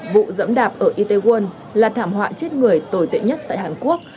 vụ dẫm đạp ở itaewon là thảm họa chết người tồi tệ nhất tại hàn quốc